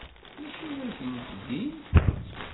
D acu ara gent din?